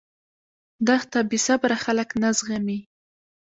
دښته بېصبره خلک نه زغمي.